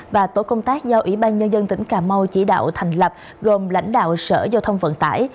và tổ công tác do ủy ban nhân dân tỉnh cà mau chỉ đạo thành lập gồm lãnh đạo sở giao thông vận tải